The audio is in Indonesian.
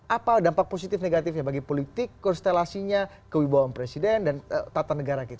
apa dampak positif negatifnya bagi politik konstelasinya kewibawaan presiden dan tata negara kita